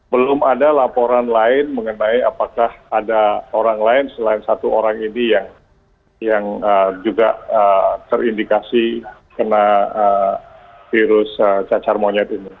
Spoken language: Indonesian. belum ada laporan lain mengenai apakah ada orang lain selain satu orang ini yang juga terindikasi kena virus cacar monyet ini